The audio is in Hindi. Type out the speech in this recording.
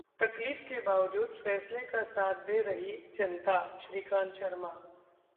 तकलीफ के बावजूद फैसले का साथ दे रही जनता: श्रीकांत शर्मा